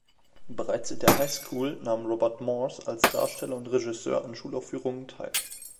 Bereits in der Highschool nahm Robert Morse als Darsteller und Regisseur an Schulaufführungen teil.